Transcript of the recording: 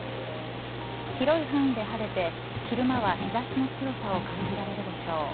広い範囲で晴れて昼間は日差しの強さを感じられるでしょう。